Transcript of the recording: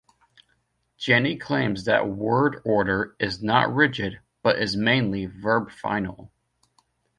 Jany claims that word order is not rigid but is mainly verb-final.